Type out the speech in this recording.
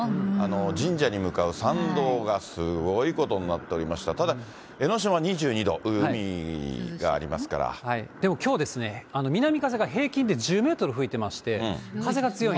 神社に向かう参道がすごいことになっておりまして、ただ、江の島でも、きょうですね、南風が平均で１０メートル吹いてまして、風が強い。